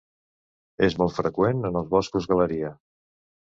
És molt freqüent en els boscos galeria.